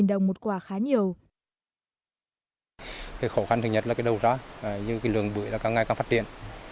bưởi khó khăn thực nhất là đầu giá nhưng lượng bưởi càng ngày càng phát triển